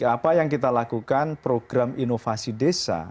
apa yang kita lakukan program inovasi desa